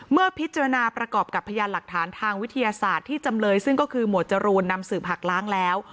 เมื่อพิจารณาประกอบกับพยานหลักฐานทางวิทยาศาสตร์ที่จำเลยซึ่งก็คือหมวดจรูนนำสืบหักล้างแล้ว